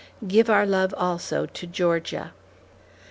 (Give our love also to Georgia.)